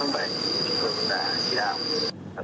chúng tôi cũng đã chỉ đạo